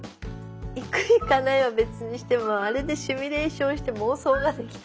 行く行かないは別にしてもあれでシミュレーションして妄想ができた。